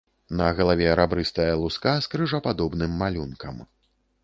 На галаве рабрыстая луска з крыжападобным малюнкам.